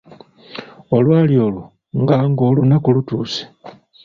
Olwali olwo nga Ng’olunaku lutuuse.